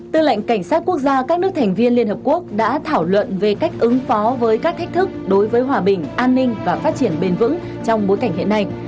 tư lệnh cảnh sát quốc gia các nước thành viên liên hợp quốc đã thảo luận về cách ứng phó với các thách thức đối với hòa bình an ninh và phát triển bền vững trong bối cảnh hiện nay